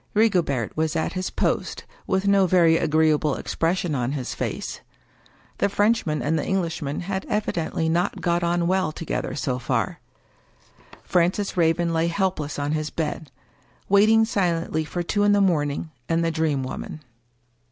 Rigobert was at his post, with no very agreeable expression on his face. The Frenchman and the Englishman had evidently not got on well together so far. Francis Raven lay helpless on his bed; waiting silently for two in the morning and the Dream Woman.